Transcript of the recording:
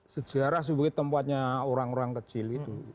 sejarah sebagai tempatnya orang orang kecil itu